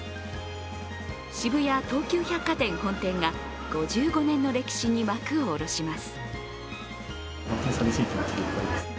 渋谷・東急百貨店本店が５５年の歴史に幕を下ろします。